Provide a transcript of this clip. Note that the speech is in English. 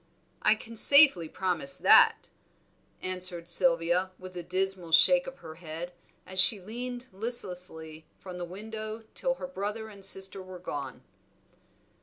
"I can safely promise that," answered Sylvia, with a dismal shake of the head, as she leaned listlessly from the window till her brother and sister were gone.